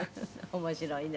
面白いね